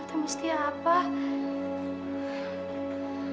kenapa aku mesti ketemu sama mas kevin